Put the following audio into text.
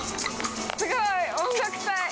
すごい！音楽隊。